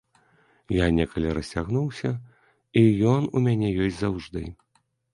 Я некалі расцягнуўся, і ён у мяне ёсць заўжды.